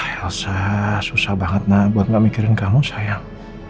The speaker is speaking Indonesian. elsa susah banget nah buat gak mikirin kamu sayang